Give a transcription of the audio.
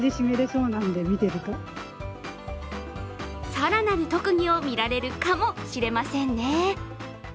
更なる特技を見られるかもしれませんね。